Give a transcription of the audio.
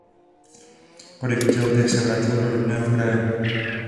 Po devíti letech se vrátil do rodného kraje.